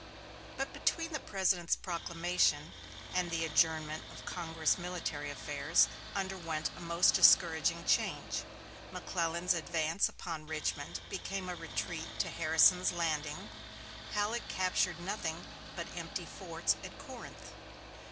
But between the President's proclamation and the adjournment of Congress military affairs underwent a most discouraging change. McClellan's advance upon Richmond became a retreat to Harrison's Landing Halleck captured nothing but empty forts at Corinth.